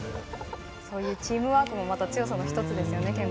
そういうチームワークも強さの１つですよね。